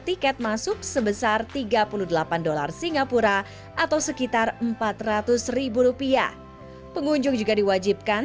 tiket masuk sebesar tiga puluh delapan dolar singapura atau sekitar empat ratus rupiah pengunjung juga diwajibkan